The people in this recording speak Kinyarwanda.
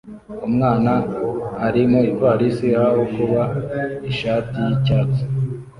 Umwana ari mu ivarisi aho kuba ishati y'icyatsi